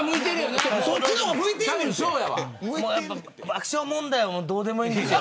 爆笑問題はどうでもいいんです。